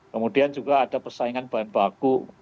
kemudian juga ada persaingan bahan baku